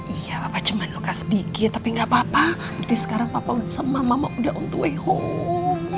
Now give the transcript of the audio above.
iya papa cuman luka sedikit tapi gak papa berarti sekarang papa sama mama udah on the way home